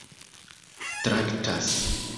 traktas